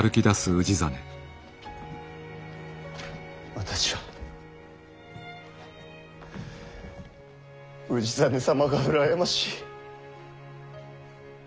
私は氏真様が羨ましい。